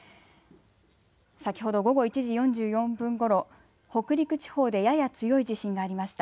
先ほど午後１時４４分ごろ、北陸地方でやや強い地震がありました。